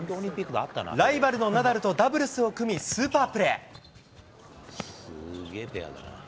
ライバルのナダルとダブルスを組みスーパープレー。